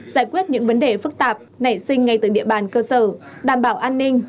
giải quyết những vấn đề phức tạp nảy sinh ngay từ địa bàn cơ sở đảm bảo an ninh